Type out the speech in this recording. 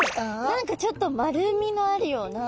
何かちょっと丸みのあるような。